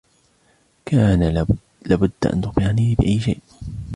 كان لبد أن تخبرني بأي شيء.